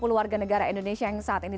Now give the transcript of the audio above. dua puluh warga negara indonesia yang saat ini